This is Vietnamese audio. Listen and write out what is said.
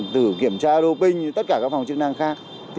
từ kiểm tra đô ping tất cả các phòng chức năng khác